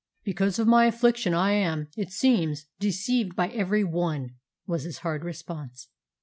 "Because of my affliction I am, it seems, deceived by every one," was his hard response.